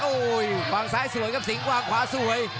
โอ้โหวางซ้ายสวยครับสิงวางขวาสวย